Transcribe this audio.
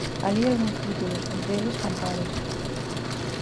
Alí algúns títulos, entre eles Cantares.